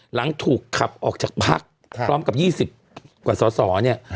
หลังถูกขับออกจากพักพร้อมกับ๒๐กว่าสอสอเนี่ย